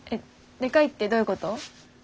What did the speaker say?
でかいってどういうこと？